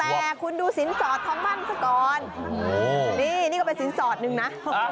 แต่คุณดูศิลป์สอดท้องบ้านสกรนี่ก็เป็นศิลป์สอดหนึ่งนะ